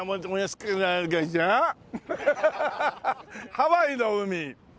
ハワイの海。